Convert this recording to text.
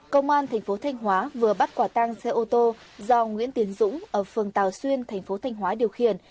công an tp thanh hóa vừa bắt quả tăng xe ô tô do nguyễn tiến dũng ở phường tàu xuyên tp thanh hóa điều khiển